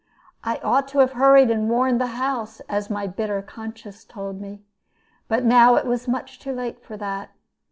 I ought to have hurried and warned the house, as my bitter conscience told me; but now it was much too late for that.